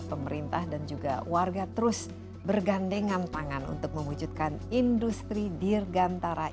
pemerintah dan juga warga terus bergandengan tangan untuk mewujudkan industri dirgantara